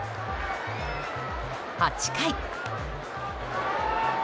８回。